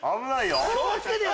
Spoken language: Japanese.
気を付けてよ